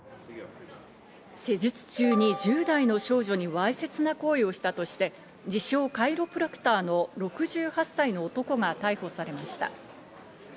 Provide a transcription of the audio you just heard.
施術中に１０代の少女にわいせつな行為をしたとして自称カイロプラクターの６８歳の男が逮捕されました。